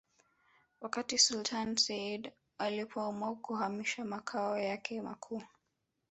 Wakati Sultani Sayyid Said alipoamua kuhamisha makao yake makuu